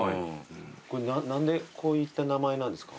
これ何でこういった名前なんですか？